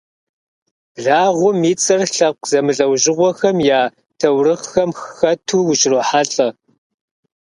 Благъуэм и цӏэр лъэпкъ зэмылӏэужьыгъуэхэм я таурыхъхэм хэту ущырохьэлӏэ.